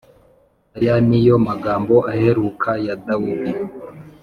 Aya ni yo magambo aheruka ya Dawidi